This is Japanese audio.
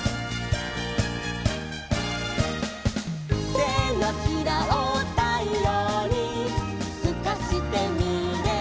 「てのひらをたいようにすかしてみれば」